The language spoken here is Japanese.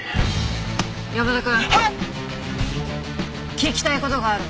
聞きたい事がある。